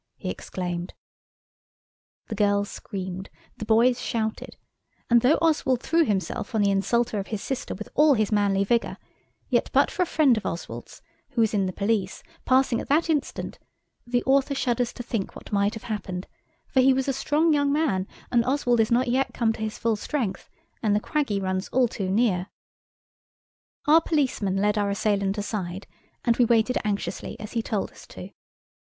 he exclaimed. The girls screamed, the boys shouted, and though Oswald threw himself on the insulter of his sister with all his manly vigour, yet but for a friend of Oswald's, who is in the police, passing at that instant, the author shudders to think what might have happened, for he was a strong young man, and Oswald is not yet come to his full strength, and the Quaggy runs all too near. Our policeman led our assailant aside, and we waited anxiously, as he told us to.